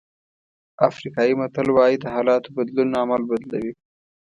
افریقایي متل وایي د حالاتو بدلون عمل بدلوي.